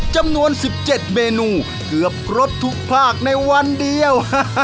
จำนวนสิบเจ็ดเมนูเกือบกรดทุกภาคในวันเดียว